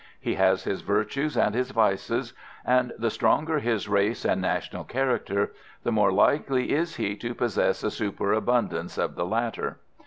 He has his virtues and his vices; and the stronger his race and national character, the more likely is he to possess a superabundance of the latter.